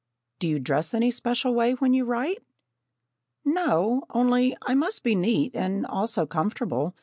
"Do you dress any special way when you write?" "No, only I must be neat and also comfortable.